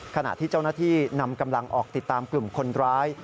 ขณะที่เจ้าหน้าที่นำกำลังออกติดตามกลุ่มคนร้าย